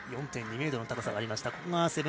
４．２ｍの高さがありました。